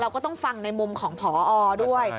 ก็ต้องฟังในมุมของพอด้วย